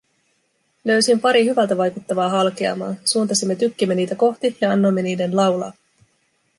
Löysin pari hyvältä vaikuttavaa halkeamaa, suuntasimme tykkimme niitä kohti ja annoimme niiden laulaa.